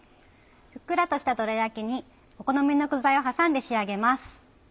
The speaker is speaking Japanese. ふっくらとしたどら焼きにお好みの具材を挟んで仕上げます。